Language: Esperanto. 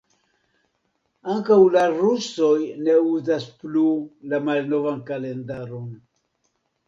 Ankaŭ la rusoj ne uzas plu la malnovan kalendaron.